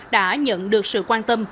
đã nhận được sự quan tâm